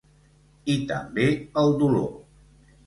I també el dolor.